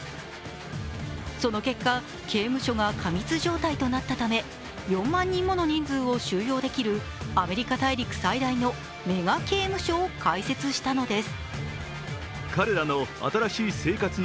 その結果、刑務所が過密状態となったため４万人もの人数を収容できるアメリカ大陸最大のメガ刑務所を開設したのです。